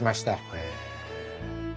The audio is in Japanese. へえ。